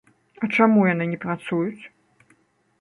А чаму яны не працуюць?